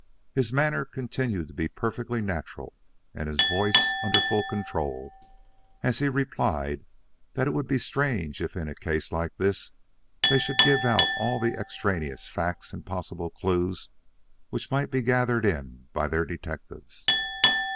His manner continued to be perfectly natural and his voice under full control as he replied that it would be strange if in a case like this they should give out all the extraneous facts and possible clues which might be gathered in by their detectives.